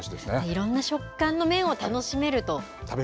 いろんな食感の麺を楽しめると。